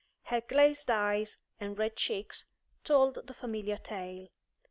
Her glazed eyes and red cheeks told the familiar tale.